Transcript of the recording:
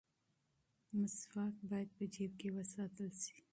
مسواک باید په جیب کې وساتل شي.